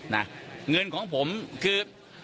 เงินของผมคือ